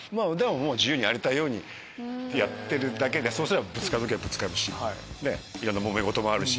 自由にやりたいようにやってるだけでぶつかる時はぶつかるしいろんなもめ事もあるし。